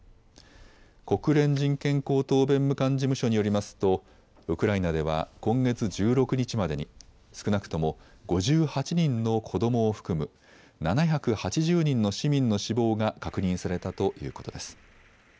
国連人権高等弁務官事務所によりますとウクライナでは今月１６日までに少なくとも５８人の子どもを含む７８０人の市民の死亡が確認されたということです。